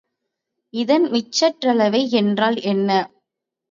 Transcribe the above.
இதன் மீச்சிற்றளவை என்றால் என்ன?